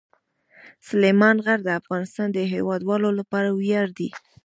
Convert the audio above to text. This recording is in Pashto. سلیمان غر د افغانستان د هیوادوالو لپاره ویاړ دی.